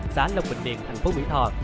xá long bình điện thành phố mỹ tho